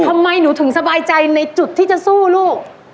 ทำไมหนูถึงสบายใจในจุดที่จะสู้ลูก